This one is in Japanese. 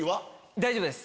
大丈夫です。